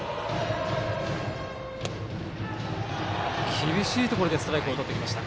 厳しいところでストライクをとっていきました。